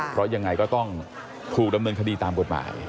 เพราะยังไงก็ต้องถูกดำเนินคดีตามกฎหมาย